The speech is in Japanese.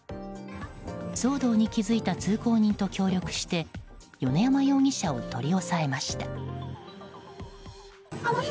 騒動に気付いた通行人と協力して米山容疑者を取り押さえました。